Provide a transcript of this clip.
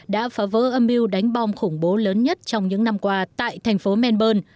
đã phá vỡ âm mưu đánh bom khủng bố lớn nhất trong những năm qua tại thành phố melbourne